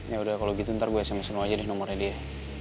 ya udah kalo gitu ntar gue sms in aja deh nomornya dia